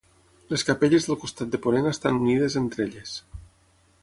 Les capelles del costat de ponent estan unides entre elles.